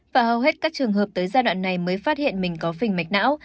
và hầu hết các trường hợp tới giai đoạn này mới phát hiện mình có phình mạch não